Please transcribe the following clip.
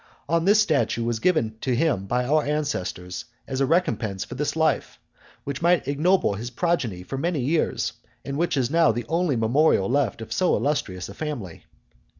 On this a statue was given to him by our ancestors as a recompense for his life, which might ennoble his progeny for many years, and which is now the only memorial left of so illustrious a family.